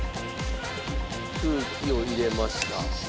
空気を入れました。